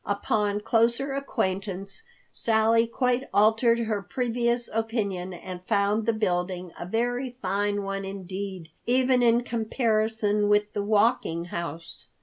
Upon closer acquaintance, Sally quite altered her previous opinion and found the building a very fine one indeed, even in comparison with the Walking House.